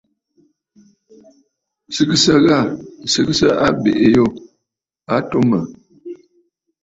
Sɨgɨsə ghâ! Sɨgɨgɨsə abèʼè yû a atu mə̀.